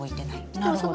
なるほど。